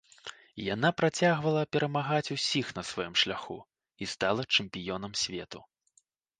Яна працягвала перамагаць усіх на сваім шляху і стала чэмпіёнам свету.